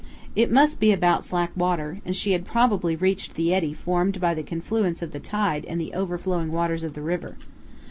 It must be about slack water, and she had probably reached the eddy formed by the confluence of the tide and the overflowing waters of the river.